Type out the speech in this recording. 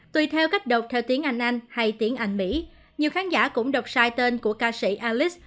tùy theo cách đọc theo tiếng anh anh hay tiếng anh mỹ nhiều khán giả cũng đọc sai tên của ca sĩ alice